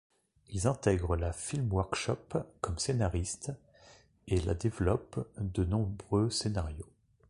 Ils intègrent la Film Workshop comme scénaristes, et Là développent de nombreux de scénarios.